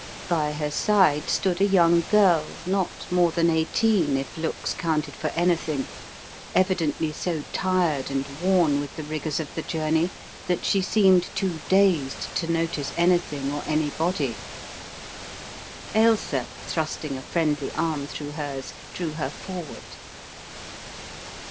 By her side stood a young girl not more than eighteen, if looks counted for anything, evidently so tired and worn with the rigours of the journey that she seemed too dazed to notice anything or anybody. Ailsa, thrusting a friendly arm through hers, drew her forward.